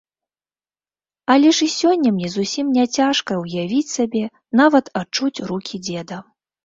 Але ж і сёння мне зусім не цяжка ўявіць сабе, нават адчуць рукі дзеда.